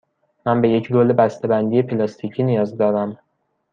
من به یک رول بسته بندی پلاستیکی نیاز دارم.